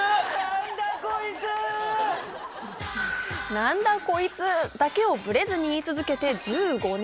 なんだこいつだけをぶれずにい続けて１５年。